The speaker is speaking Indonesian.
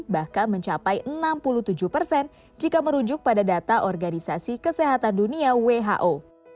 bahkan mencapai enam puluh tujuh persen jika merujuk pada data organisasi kesehatan dunia who